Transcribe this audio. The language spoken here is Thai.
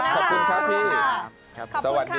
ขอบคุณครับพี่สวัสดีครับขอบคุณครับ